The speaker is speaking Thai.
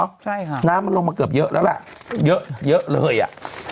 ใช่ค่ะน้ำมันลงมาเกือบเยอะแล้วล่ะเยอะเยอะเลยอ่ะ